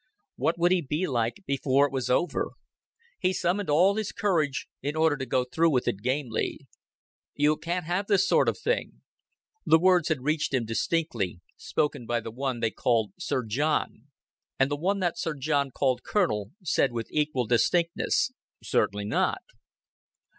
What would he be like before it was over? He summoned all his courage in order to go through with it gamely. ... "You can't have this sort of thing." The words had reached him distinctly spoken by the one they called Sir John; and the one that Sir John called "Colonel" said with equal distinctness, "Certainly not."